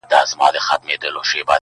چي زما په لورې هغه سپينه جنگرکه راځې~